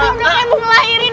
orang orang mau ngelahirin